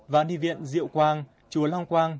và ni viện diệu quang chùa long quang